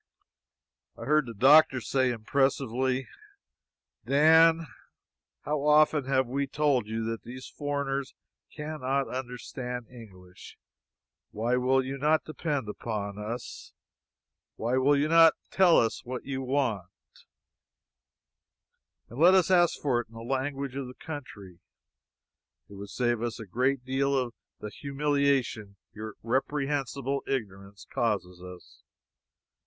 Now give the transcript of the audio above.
I heard the doctor say impressively: "Dan, how often have we told you that these foreigners cannot understand English? Why will you not depend upon us? Why will you not tell us what you want, and let us ask for it in the language of the country? It would save us a great deal of the humiliation your reprehensible ignorance causes us.